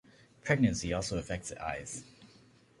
Pregnancy also affects the eyes.